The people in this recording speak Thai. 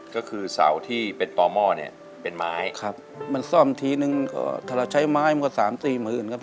ก็คือเสาที่เป็นต่อหม้อเนี่ยเป็นไม้ครับมันซ่อมทีนึงก็ถ้าเราใช้ไม้มันก็สามสี่หมื่นครับ